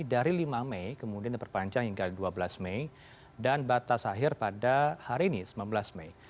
dari lima mei kemudian diperpanjang hingga dua belas mei dan batas akhir pada hari ini sembilan belas mei